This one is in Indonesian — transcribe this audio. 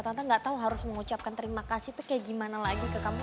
tante gak tau harus mengucapkan terima kasih tuh kayak gimana lagi ke kampung